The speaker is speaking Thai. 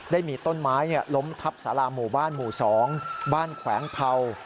ได้มีต้นไม้ล้มทับสาราหมู่บ้านหมู่๒บ้านแขวงเผา